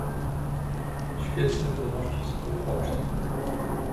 "Świetne wiadomości z forpoczt."